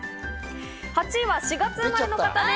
８位は４月生まれの方です。